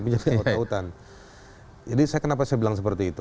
jadi kenapa saya bilang seperti itu